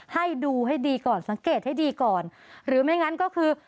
ให้ดูให้ดีก่อนสังเกตให้ดีก่อนหรือไม่งั้นก็คือ